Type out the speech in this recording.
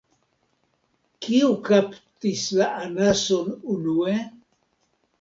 Kiu kaptis la anason unue?